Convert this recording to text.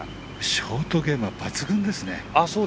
ショートゲームは抜群ですね。